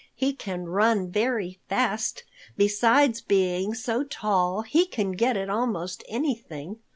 He can run very fast, besides being so tall he can get at almost anything.